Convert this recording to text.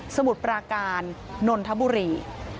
มุดปราการนนทบุรี